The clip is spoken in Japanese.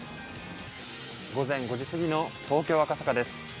午前５時過ぎの東京・赤坂です。